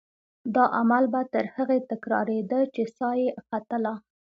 دا عمل به تر هغې تکرارېده چې سا یې ختله.